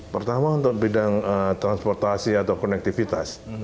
pertama untuk bidang transportasi atau konektivitas